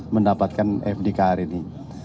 mendapatkan fdk hari ini